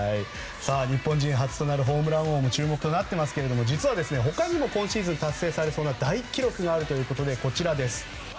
日本人初となるホームラン王も注目ですが実は、他にも今シーズン達成されそうな大記録があるということです。